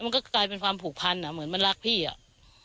มันก็กลายเป็นความผูกพันอ่ะเหมือนมันรักพี่อ่ะ